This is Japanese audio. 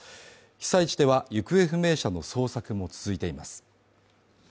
被災地では行方不明者の捜索も続いています。